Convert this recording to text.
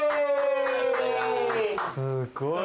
すごい。